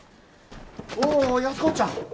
お安子ちゃん。